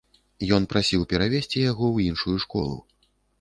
Ён прасіў перавесці яго ў іншую школу.